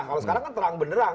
kalau sekarang kan terang benerang